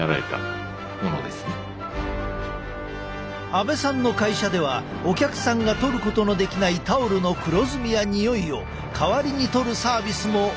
阿部さんの会社ではお客さんが取ることのできないタオルの黒ずみやにおいを代わりに取るサービスも行っているのだ。